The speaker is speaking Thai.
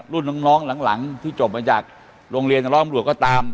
รุ่นน้องหลังที่จบมาจากโรงเรียนร้องอำรวจก็ตาม